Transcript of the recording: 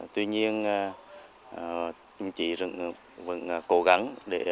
tuy nhiên đồng chí vẫn cố gắng